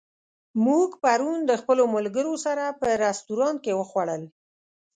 موږ پرون د خپلو ملګرو سره په رستورانت کې وخوړل.